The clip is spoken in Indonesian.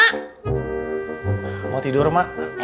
mau tidur mak